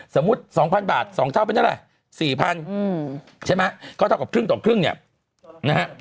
สมมติ๒๐๐๐บาทสองเท่าเป็นยังไง๔๐๐๐ใช่ไหมก็ต้องตอบครึ่งนี้นะฮะ